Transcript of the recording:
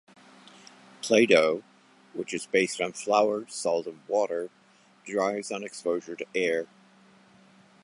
Play-Doh, which is based on flour, salt and water, dries on exposure to air.